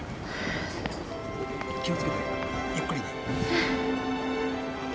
気を付けてゆっくりね。